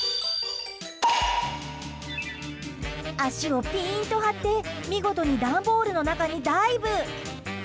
脚をピーンと張って見事に段ボールの中にダイブ。